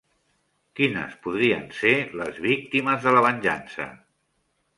Quines podrien ser les víctimes de la venjança?